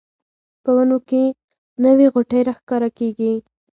په ونو کې نوې غوټۍ راښکاره کیږي